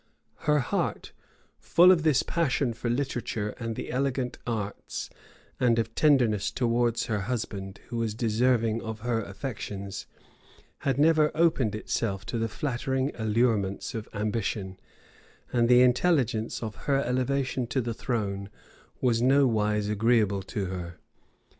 [] Her heart, full of this passion for literature and the elegant arts, and of tenderness towards her husband, who was deserving of her affections, had never opened itself to the flattering allurements of ambition; and the intelligence of her elevation to the throne was nowise agreeable to her.